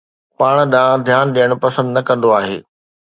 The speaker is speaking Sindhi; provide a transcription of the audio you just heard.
پاڻ ڏانهن ڌيان ڏيڻ پسند نه ڪندو آهي